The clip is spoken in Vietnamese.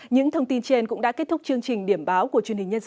những thông tin trên cũng đã kết thúc chương trình